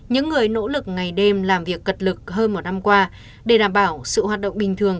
những người nỗ lực ngày đêm làm việc cật lực hơn một năm qua để đảm bảo sự hoạt động bình thường